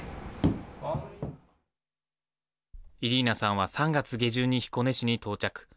イリーナさんは３月下旬に彦根市に到着。